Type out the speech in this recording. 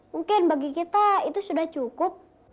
mungkin bagi kita itu sudah cukup